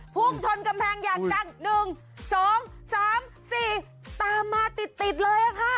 พุ่งชนกำแพงอย่างจัง๑๒๓๔ตามมาติดเลยค่ะ